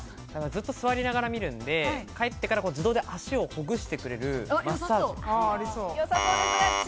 ずっと座りながら見るんで帰ってから自動で足をほぐしてくれるマッサージ。